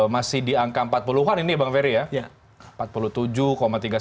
masih di angka empat puluh an ini bang ferry ya